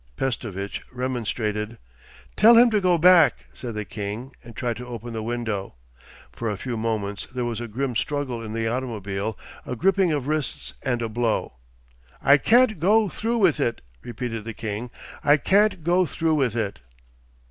Pestovitch remonstrated. 'Tell him to go back,' said the king, and tried to open the window. For a few moments there was a grim struggle in the automobile; a gripping of wrists and a blow. 'I can't go through with it,' repeated the king, 'I can't go through with it.